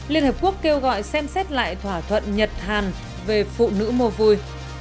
liên hợp quốc kêu gọi xem xét lại thỏa thuận nhật hàn về phụ nữ mô vui